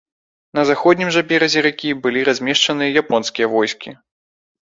На заходнім жа беразе ракі былі размешчанымі японскія войскі.